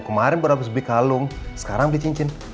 kemarin pernah bersubik kalung sekarang di cincin